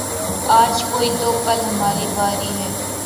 آج کوئی تو کل ہماری باری ہے